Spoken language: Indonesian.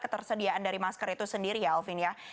ketersediaan dari masker itu sendiri ya alvin ya